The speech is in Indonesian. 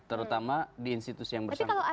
terutama di institusi yang bersangkutan